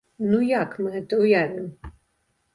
Ну як мы гэта ўявім?